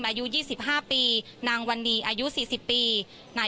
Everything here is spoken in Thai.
พูดสิทธิ์ข่าวธรรมดาทีวีรายงานสดจากโรงพยาบาลพระนครศรีอยุธยาครับ